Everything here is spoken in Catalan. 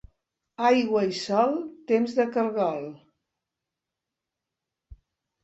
Aigua i sol, temps de caragol.